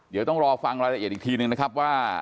เดี๋ยวต้องรอฟังรายละเอียดอีกทีนึงนะครับว่า